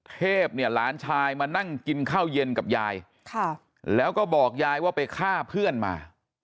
เทพเนี่ยหลานชายมานั่งกินข้าวเย็นกับยายแล้วก็บอกยายว่าไปฆ่าเพื่อนมา